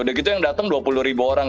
udah gitu yang datang dua puluh orang